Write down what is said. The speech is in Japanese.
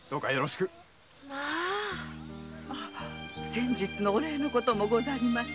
先日のお礼のこともござります。